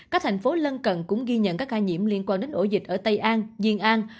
các thành phố lân cận cũng ghi nhận các ca nhiễm liên quan đến ổ dịch ở tây an duyên an